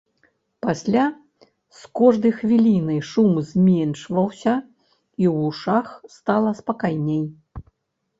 Пасля з кожнай хвілінай шум зменшваўся, і ў вушах стала спакайней.